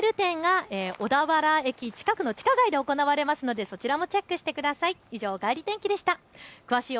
また、どうする家康のパネル展が小田原駅近くの地下街で行われますので、そちらもチェックしてください。